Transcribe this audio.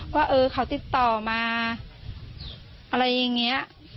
ว่าเออเขาติดต่อมาอะไรอย่างนี้